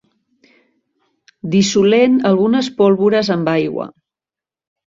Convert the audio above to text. Dissolent algunes pólvores en aigua.